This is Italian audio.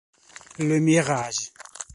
Le Mirage